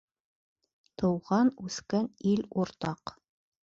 Тыуған-үҫкән ил уртаҡ.